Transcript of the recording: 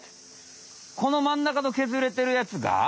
このまん中のけずれてるやつが？